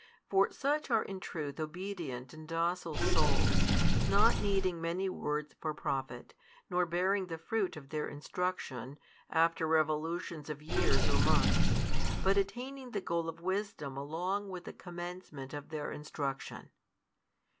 For such are in truth obedient and docile souls, not needing many words for profit, nor bearing the fruit of their instruction, |151 after revolutions of years or months, but attaining the goal of wisdom along with the commencement of their instruction.